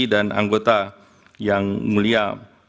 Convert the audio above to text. dan anggota yang mulia